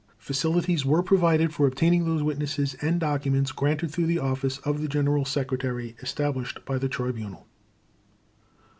Facilities were provided for obtaining those witnesses and documents granted through the office of the General Secretary established by the Tribunal.